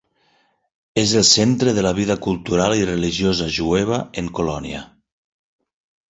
És el centre de la vida cultural i religiosa jueva en Colònia.